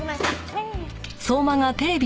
はい。